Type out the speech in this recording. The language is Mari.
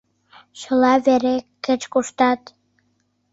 Чыла вере, кеч-куштат